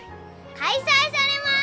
開催されます！